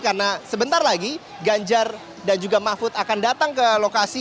karena sebentar lagi jajar dan juga mahfud akan datang ke lokasi